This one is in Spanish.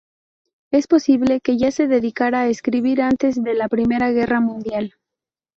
Es posible que ya se dedicara a escribir antes de la I Guerra Mundial.